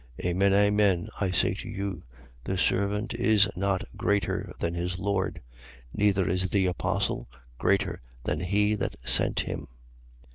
13:16. Amen, amen, I say to you: The servant is not greater than his lord: neither is the apostle greater than he that sent him.